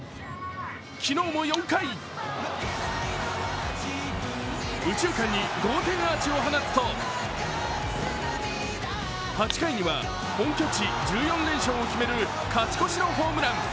昨日も４回、右中間に同点アーチを放つと、８回には本拠地１４連勝を決める勝ち越しのホームラン。